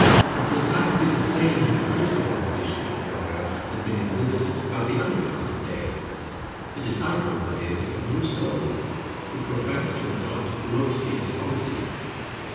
But precisely the same hypocritical opposition to progress has been exhibited by the other class of Deists, the disciples, that is, of Rousseau, who profess to adopt Robespierre's policy.